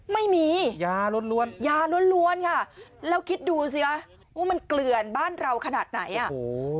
ไม่มียาล้วนค่ะแล้วคิดดูสิว่ามันเกลื่อนบ้านเราขนาดไหน